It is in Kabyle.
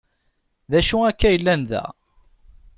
D acu akka yellan da?